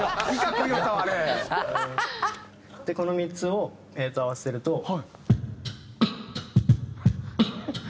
この３つを合わせると。